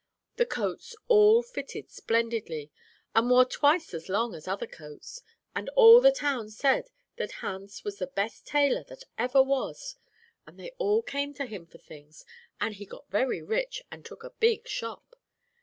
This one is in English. The coats all fitted splendidly and wore twice as long as other coats, and all the town said that Hans was the best tailor that ever was, and they all came to him for things, and he got very rich and took a big shop.